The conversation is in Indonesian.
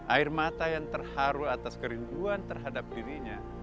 air mata yang terharu atas kerinduan terhadap dirinya